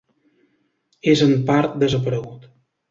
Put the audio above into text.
És en part desaparegut.